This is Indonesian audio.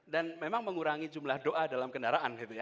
dan memang mengurangi jumlah doa dalam kendaraan gitu ya